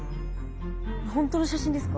本当の写真ですか？